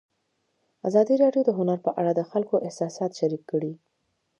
ازادي راډیو د هنر په اړه د خلکو احساسات شریک کړي.